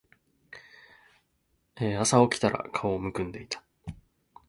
朝起きたら顔浮腫んでいた